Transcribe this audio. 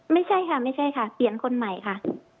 ไม่ใช่ค่ะเปลี่ยนคนใหม่ค่ะ